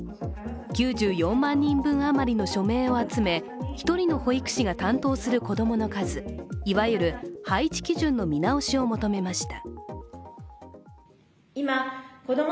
９４万人分余りの署名を集め１人の保育士が担当する子供の数いわゆる配置基準の見直しを求めました。